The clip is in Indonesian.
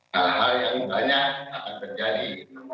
hal hal yang banyak akan terjadi